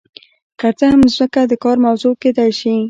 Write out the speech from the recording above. که څه هم ځمکه د کار موضوع کیدای شي.